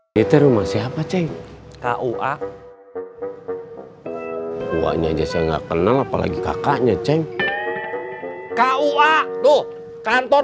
diter rumah siapa ceng kua kuaknya aja saya nggak kenal apalagi kakaknya ceng kua tuh kantor